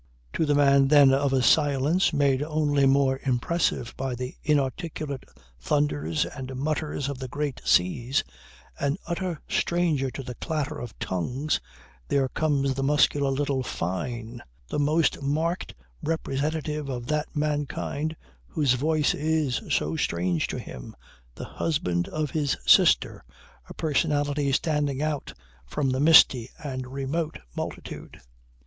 To the man then of a silence made only more impressive by the inarticulate thunders and mutters of the great seas, an utter stranger to the clatter of tongues, there comes the muscular little Fyne, the most marked representative of that mankind whose voice is so strange to him, the husband of his sister, a personality standing out from the misty and remote multitude.